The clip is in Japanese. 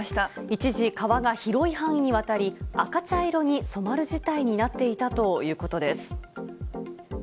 一時、川が広い範囲にわたり、赤茶色に染まる事態になっていたということです。